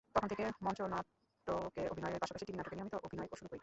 তখন থেকে মঞ্চনাটকে অভিনয়ের পাশাপাশি টিভি নাটকে নিয়মিত অভিনয় শুরু করি।